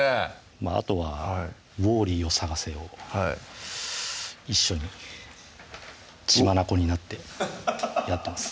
まぁあとはウォーリーをさがせ！を一緒に血眼になってやってます